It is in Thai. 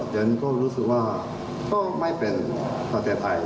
เดินก็รู้สึกว่าก็ไม่เป็นประเทศไอ